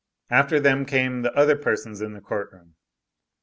After them came the other persons in the court room.